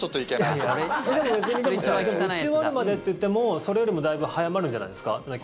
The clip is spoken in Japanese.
でも別に打ち終わるまでっていってもそれよりもだいぶ早まるんじゃないですか？